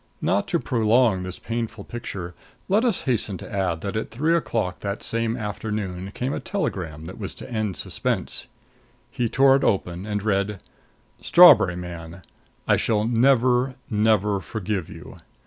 Not to prolong this painful picture, let us hasten to add that at three o'clock that same afternoon came a telegram that was to end suspense. He tore it open and read: STRAWBERRY MAN: I shall never, never forgive, you.